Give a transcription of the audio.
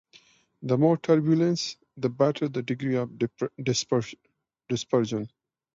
The more turbulence, the better the degree of dispersion.